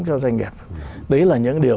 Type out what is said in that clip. cho doanh nghiệp đấy là những điều